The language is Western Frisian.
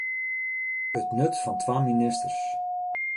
It nut fan twa ministers.